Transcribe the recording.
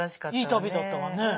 いい旅だったわね。